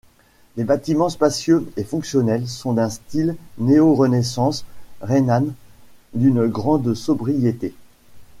Les bâtiments spacieux et fonctionnels sont d’un style néo-renaissance rhénane d’une grande sobriété.